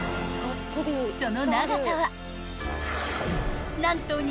［その長さは何と］